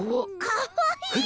かわいい！